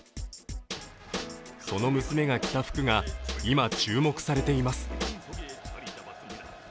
その娘が着た服が今、注目されています。